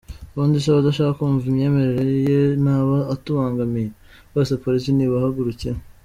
Ubundi se abadashaka kumva imyemerere ye ntaba atubangamiye ? Rwose Polisi nibahagurukire.